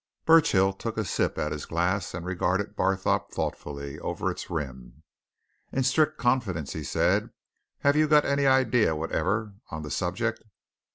Burchill took a sip at his glass and regarded Barthorpe thoughtfully over its rim. "In strict confidence," he said, "have you got any idea whatever on the subject?"